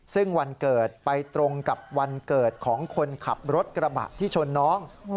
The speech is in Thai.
ซึ่งวันเกิดไปตรงกับวันเกิดของคนขับรถกระบะที่ชนน้อง